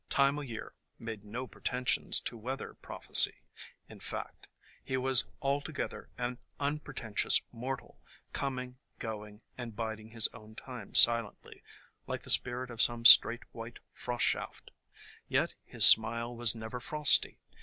Time o' Year made no pretentions to weather prophecy — in fact, he was altogether an unpre tentious mortal, coming, going, and biding his own time silently, like the spirit of some straight white frost shaft. Yet his smile was never frosty.